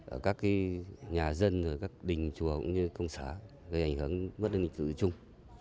ở các nhà dân các đình chùa cũng như công xã gây ảnh hưởng bất đồng tự trung